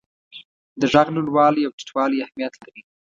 د ږغ لوړوالی او ټیټوالی اهمیت لري.